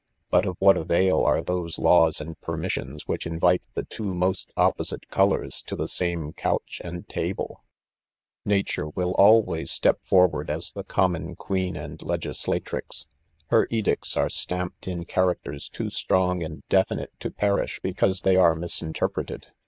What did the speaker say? But of what avail are those laws and permissions •which invite the two most opposite colours to the same couch and ta ble ? Nature will always step forward as the common queen and Iftgjtalatrix. Her edicts are stamped in characters too strong and definite to perish because they 'are misinter preted.